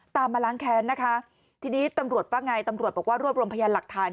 มาล้างแค้นนะคะทีนี้ตำรวจว่าไงตำรวจบอกว่ารวบรวมพยานหลักฐาน